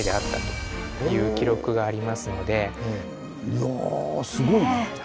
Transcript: いやぁすごいね。